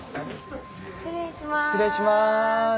失礼します。